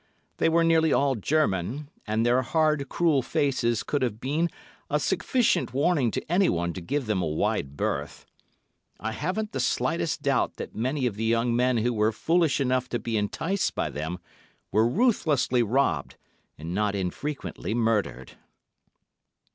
They were nearly all German, and their hard, cruel faces should have been a sufficient warning to anyone to give them a wide berth. I haven't the slightest doubt that many of the young men who were foolish enough to be enticed by them were ruthlessly robbed, and not infrequently murdered.